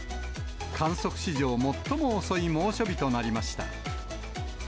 観測史上最も遅い猛暑日となりました。